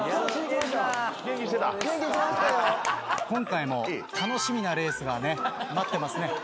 今回も楽しみなレースがね待ってますね。